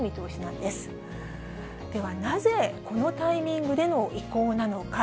ではなぜ、このタイミングでの移行なのか。